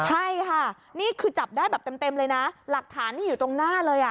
ใช่ค่ะนี่คือจับได้แบบเต็มเลยนะหลักฐานนี่อยู่ตรงหน้าเลยอ่ะ